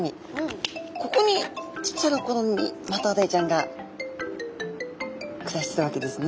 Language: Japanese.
ここにちっちゃな頃にマトウダイちゃんが暮らしてたわけですね。